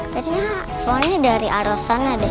ternyata soalnya dari arah sana deh